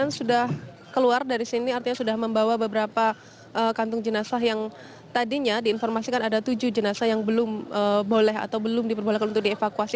sudah keluar dari sini artinya sudah membawa beberapa kantung jenazah yang tadinya diinformasikan ada tujuh jenazah yang belum boleh atau belum diperbolehkan untuk dievakuasi